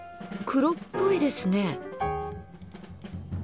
黒っぽいですね。